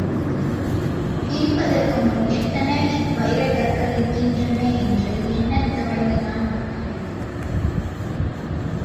பிரிப்பதற்கு முன், எத்தனை வைரக் கற்கள் இருக்கின்றன என்று எண்ணத் தொடங்கினான் ஒருவன்.